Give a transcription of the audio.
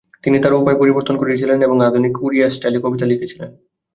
তিনি তার উপায় পরিবর্তন করেছিলেন এবং আধুনিক ওড়িয়া স্টাইলে কবিতা লিখেছিলেন।